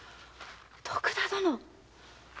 徳田殿